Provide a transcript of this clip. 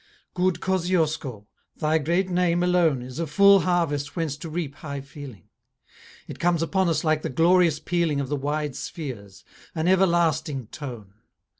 Good Kosciusko, thy great name alone Is a full harvest whence to reap high feeling; It comes upon us like the glorious pealing Of the wide spheres an everlasting tone.